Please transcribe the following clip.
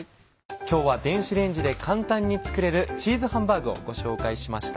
今日は電子レンジで簡単に作れる「チーズハンバーグ」をご紹介しました。